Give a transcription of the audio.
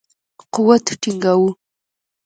قوت ټینګاوه.